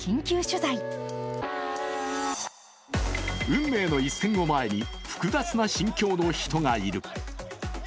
運命の一戦を前に複雑な心境の人がいる。